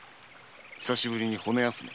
久しぶりに骨休みを。